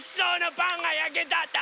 パンがやけたんだ！